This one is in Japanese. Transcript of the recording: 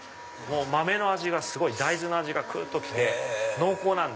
豆の味がすごい大豆の味がくっときて濃厚なんで。